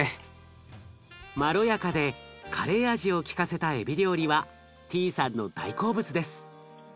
まろやかでカレー味を利かせたえび料理はティーさんの大好物です。